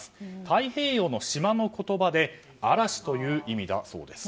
太平洋の島の言葉で嵐という意味だそうです。